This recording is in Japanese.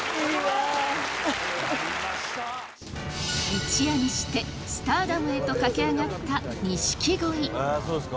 一夜にしてスターダムへと駆け上がった錦鯉。